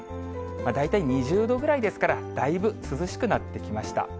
大体２０度ぐらいですから、だいぶ涼しくなってきました。